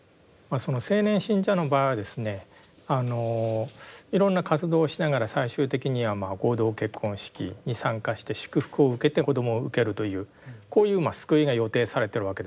青年信者の場合はですねあのいろんな活動をしながら最終的には合同結婚式に参加して祝福を受けて子どもを受けるというこういう救いが予定されてるわけですよね。